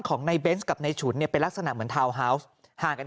ของในเบนส์กับในฉุนเนี่ยเป็นลักษณะเหมือนทาวน์ฮาวส์ห่างกัน